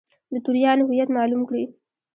د توریانو هویت معلوم کړي.